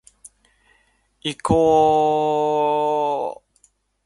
いこーーーーーーぉ